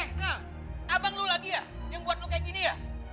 eh sel abang lo lagi ya yang buat lo kayak gini ya